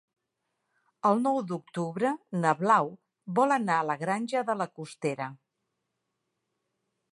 El nou d'octubre na Blau vol anar a la Granja de la Costera.